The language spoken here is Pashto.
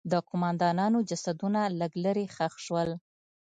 د قوماندانانو جسدونه لږ لرې ښخ شول.